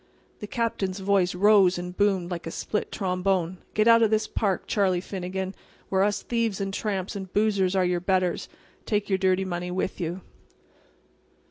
The Captain's voice rose and boomed like a split trombone. "Get out of this park, Charlie Finnegan, where us thieves and tramps and boozers are your betters; and take your dirty money with you."